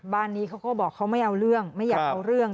บ้านนี้เขาก็บอกเขาไม่เอาเรื่องไม่อยากเอาเรื่อง